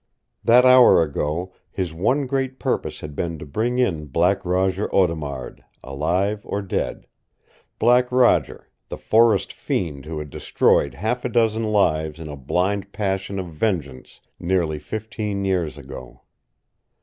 That hour ago his one great purpose had been to bring in Black Roger Audemard, alive or dead Black Roger, the forest fiend who had destroyed half a dozen lives in a blind passion of vengeance nearly fifteen years ago.